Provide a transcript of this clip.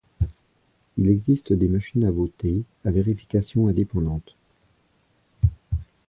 Il existe des machines à voter à vérification indépendante.